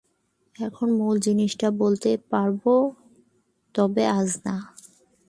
এখন মূল জিনিসটা বলতে পারব, তবে আজ না।